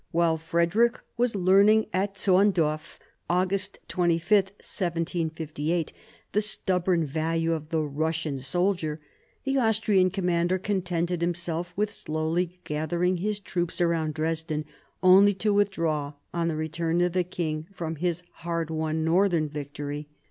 While Frederick was learning at Zorndorf (August 25, 1758) the stubborn value of the Russian soldier, the Austrian commander contented himself with slowly gathering his troops round Dresden, only to withdraw on the return of the king from his hard won northern victory.